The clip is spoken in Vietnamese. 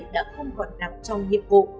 đã không còn nằm trong nhiệm vụ